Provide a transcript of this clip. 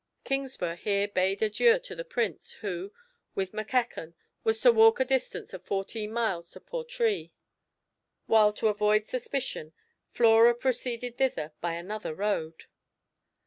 Kingsburgh here bade adieu to the Prince, who, with Mackeckan, was to walk a distance of fourteen miles to Portree, while to avoid suspicion, Flora proceeded thither by another road.